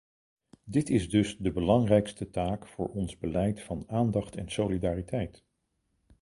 Dit is dus de belangrijkste taak voor ons beleid van aandacht en solidariteit.